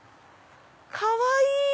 かわいい！